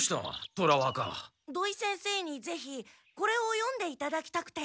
土井先生にぜひこれを読んでいただきたくて。